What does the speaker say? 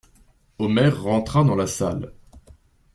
Omer rentra dans la salle.